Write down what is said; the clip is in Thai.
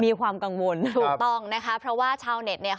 มีความกังวลถูกต้องนะคะเพราะว่าชาวเน็ตเนี่ย